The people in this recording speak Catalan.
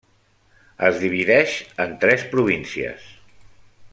Es divideix en tres províncies: